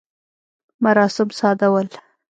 مراسم ساده ول.